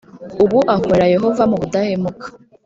ubu akorera yehova mu budahemuka